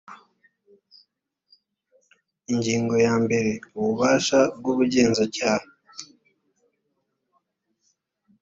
ingingo ya mbere ububasha bw’ubugenzacyaha